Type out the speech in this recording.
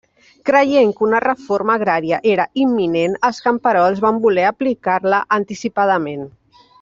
Creient que una reforma agrària era imminent, els camperols van voler aplicar-la anticipadament.